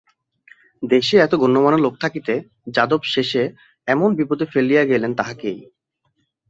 দেশে এত গণ্যমান্য লোক থাকিতে যাদব শেষে এমন বিপদে ফেলিয়া গেলেন তাহাকেই।